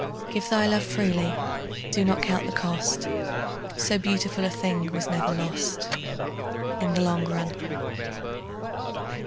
Give thy love freely; do not count the cost; So beautiful a thing was never lost In the long run.